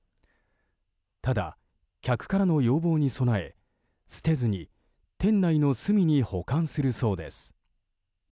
ただ、客からの要望に備え捨てずに店内の隅に保管するそうです。